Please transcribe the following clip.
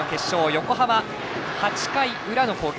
横浜、８回の裏の攻撃。